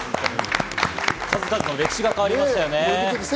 数々の歴史が変わりましたね。